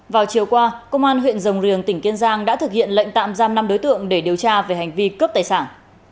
vào chiều qua công an huyện rồng riềng tỉnh kiên giang đã thực hiện lệnh tạm giam năm đối tượng để điều tra về hành vi cướp tài sản